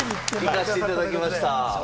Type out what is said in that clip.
行かせていただきました。